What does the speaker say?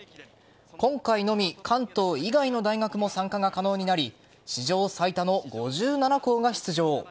今回のみ、関東以外の大学も参加が可能になり史上最多の５７校が出場。